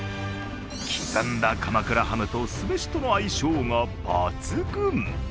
刻んだ鎌倉ハムと酢飯との相性が抜群。